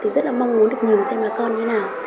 thì rất là mong muốn được nhìn xem là con như thế nào